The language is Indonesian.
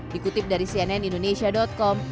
dikutip dari cnn indonesia com